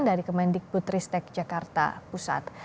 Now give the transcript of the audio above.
dari kemendikbud ristek jakarta pusat